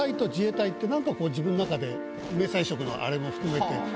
何かこう自分の中で迷彩色のあれも含めて。